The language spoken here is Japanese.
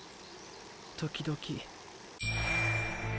時々。